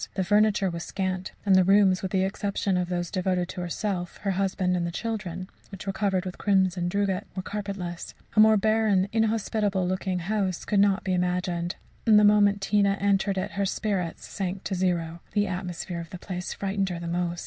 The furniture was scant, and the rooms, with the exception of those devoted to herself, her husband and the children, which were covered with crimson drugget, were carpetless. A more barren, inhospitable looking house could not be imagined, and the moment Tina entered it, her spirits sank to zero. The atmosphere of the place frightened her the most.